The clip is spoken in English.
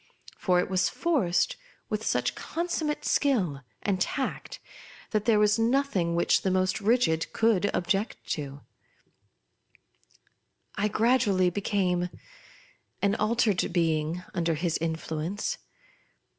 For it was forced with such consummate skill and tact, that there was nothing which the most rigid could object to. I gradually became an altered being under his influence.